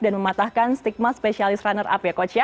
dan mematahkan stigma spesialis runner up ya coach ya